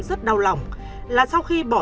rất đau lòng là sau khi bỏ